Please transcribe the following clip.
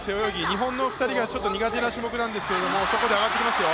日本の２人が苦手な種目なんですけどそこで上がってきますよ。